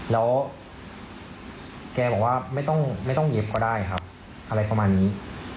แล้วแกบอกว่าไม่ต้องเย็บก็ได้ครับอะไรประมาณนี้